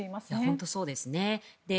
本当そうですね。